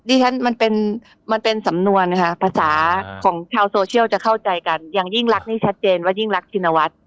ที่ฉันมันเป็นมันเป็นสำนวนนะคะภาษาของชาวโซเชียลจะเข้าใจกันอย่างยิ่งรักนี่ชัดเจนว่ายิ่งรักชินวัฒน์